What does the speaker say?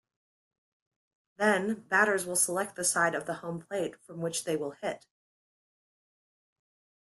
Then, batters will select the side of home plate from which they will hit.